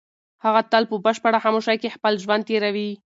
هغه تل په بشپړه خاموشۍ کې خپل ژوند تېروي.